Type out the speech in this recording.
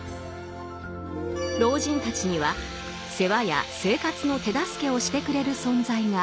老人たちには世話や生活の手助けをしてくれる存在が友人なのだと。